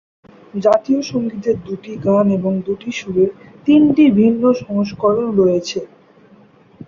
জাতীয় সঙ্গীতের দুটি গান এবং দুটি সুরের তিনটি ভিন্ন সংস্করণ রয়েছে।